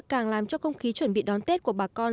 càng làm cho không khí chuẩn bị đón tết của bà con